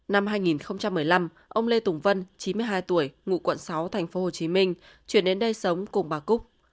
năm hai nghìn một mươi năm ông lê tùng vân chín mươi hai tuổi ngụ quận sáu tp hcm chuyển đến đây sống cùng bà cúc